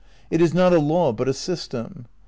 ''... "It is not a law but a system." .